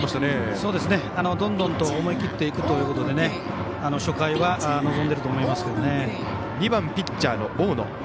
どんどんと思い切っていくということで２番、ピッチャーの大野。